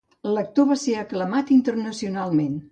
L'actor va ser aclamat internacionalment.